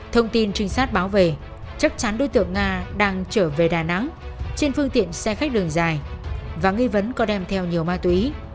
thông tin trinh sát báo về chắc chắn đối tượng nga đang trở về đà nẵng trên phương tiện xe khách đường dài và nghi vấn có đem theo nhiều ma túy